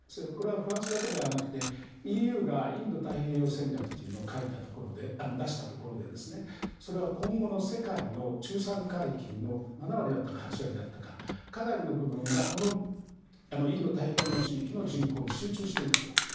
フランスだけではなくてＥＵがインド太平洋戦略というのを出したところでそれは今後の世界の中産階級の７割だったか８割だったかかなりの部分がこのインド太平洋の地域に集中していくと。